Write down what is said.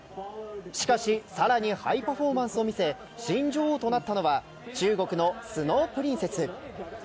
しかし、更にハイパフォーマンスを見せ新女王となったのは中国のスノープリンセス。